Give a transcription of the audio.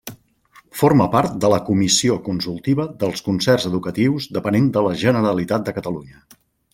Forma part de la Comissió Consultiva dels Concerts Educatius depenent de la Generalitat de Catalunya.